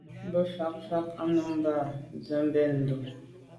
Be ke mfà’ fà’ à num bam s’a be ndô.